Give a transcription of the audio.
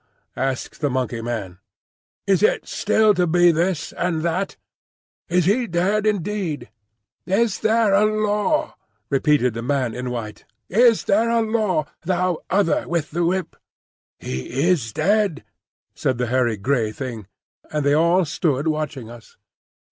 asked the Monkey man. "Is it still to be this and that? Is he dead indeed?" "Is there a Law?" repeated the man in white. "Is there a Law, thou Other with the Whip?" "He is dead," said the hairy grey Thing. And they all stood watching us.